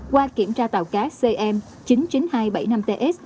qua kiểm tra tàu cá cm chín mươi chín nghìn hai trăm bảy mươi năm ts